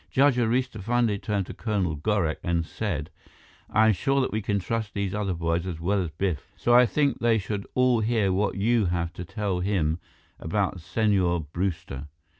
Judge Arista finally turned to Colonel Gorak and said: "I am sure that we can trust these other boys as well as Biff. So I think they should all hear what you have to tell him about Senor Brewster."